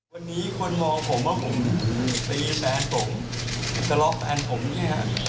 วันนี้คนมองผมว่าผมตีแฟนผมทะเลาะแฟนผมเนี่ย